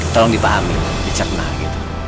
tolong dipahami dicat benar gitu